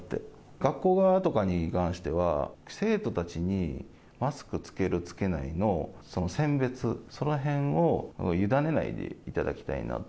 学校側とかに関しては、生徒たちにマスクつける、つけないの選別、そのへんを委ねないでいただきたいなと。